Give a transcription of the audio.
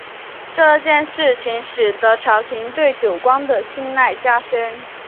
这件事情使得朝廷对久光的信赖加深。